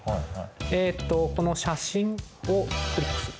えっとこの写真をクリックする。